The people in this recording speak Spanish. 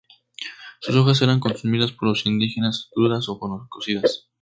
Sus hojas eran consumidas por los indígenas crudas o cocidas.